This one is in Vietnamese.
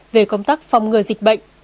về công tác phòng ngừa dịch bệnh